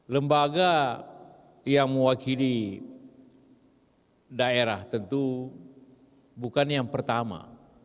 lembaga yang mewakili daerah tentu bukan yang pertama